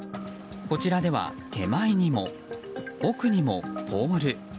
こちらでは、手前にも奥にもポール。